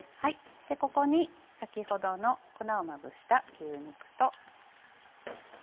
ここに先ほどの粉をまぶした牛肉と。